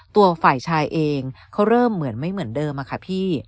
ตัวฝ่ายชายเองเขาเริ่มเหมือนไม่เหมือนเดิมอะค่ะพี่